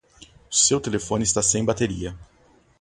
O seu telefone está sem bateria.